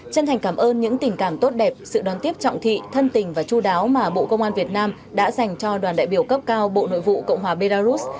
chân thành cảm ơn những tình cảm tốt đẹp sự đón tiếp trọng thị thân tình và chú đáo mà bộ công an việt nam đã dành cho đoàn đại biểu cấp cao bộ nội vụ cộng hòa belarus